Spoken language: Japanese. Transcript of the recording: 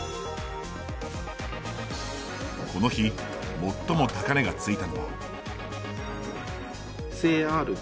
この日、最も高値がついたのは。